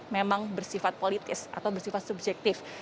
memang bersifat politis atau bersifat subjektif